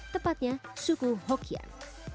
tepatnya suku hokkien